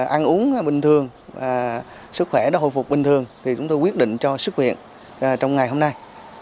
ăn uống bình thường sức khỏe đã hồi phục bình thường thì chúng tôi quyết định cho sức viện trong ngày hôm nay